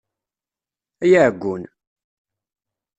Ay aɛeggun!